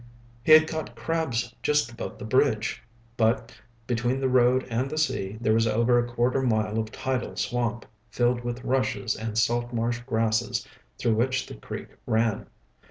He had caught crabs just above the bridge. But between the road and the sea there was over a quarter mile of tidal swamp, filled with rushes and salt marsh grasses through which the creek ran.